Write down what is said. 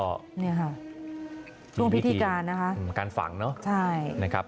อันนี้ครับช่วงพิธีการนะครับ